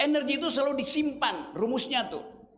energi itu selalu disimpan rumusnya tuh